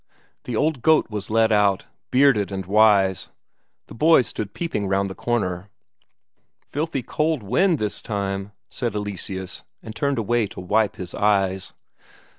The old goat was led out, bearded and wise; the boys stood peeping round the corner. "Filthy cold wind this time," said Eleseus, and turned away to wipe his eyes.